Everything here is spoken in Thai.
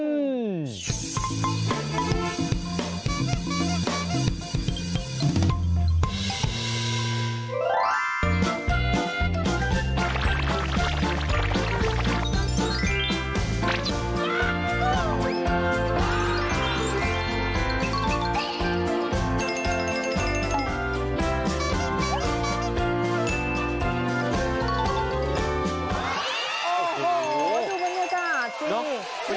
โอ้โหดูบรรยากาศสิ